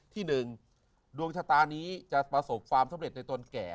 ที่๑ดวงชะตานี้จะประสบความสำเร็จในตนแก่